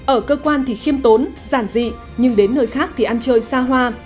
ở cơ quan thì khiêm tốn giản dị nhưng đến nơi khác thì ăn chơi xa hoa